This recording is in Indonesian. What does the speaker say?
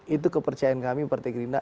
itu kepercayaan kami partai gerindra